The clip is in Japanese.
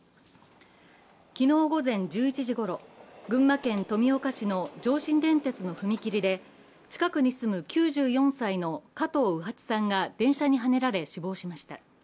昨日午前１１時ごろ、群馬県富岡市の上信電鉄の踏切で近くに住む９４歳の加藤卯八さんが電車にはねられ死亡しました。